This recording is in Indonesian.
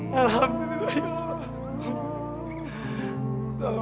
alhamdulillah ya allah